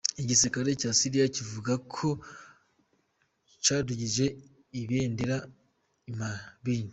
Igisirikare ca Syria kivuga ko cadugije ibendera i Manbij.